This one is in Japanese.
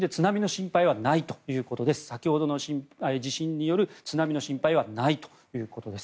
先ほどの地震による津波の心配はないということです。